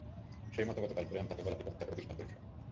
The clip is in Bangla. সেই মতো গতকাল ভোরে আমি তাঁকে গলা টিপে হত্যা করে বিষপান করেছিলাম।